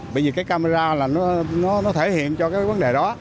bởi vì cái camera là nó thể hiện cho cái vấn đề đó